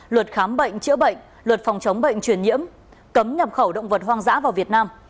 luật khám bệnh chữa bệnh luật phòng chống bệnh truyền nhiễm cấm nhập khẩu động vật hoang dã vào việt nam